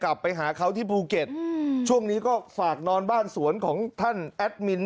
กลับไปหาเขาที่ภูเก็ตช่วงนี้ก็ฝากนอนบ้านสวนของท่านแอดมิน